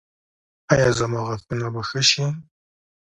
ایا زما غاښونه به ښه شي؟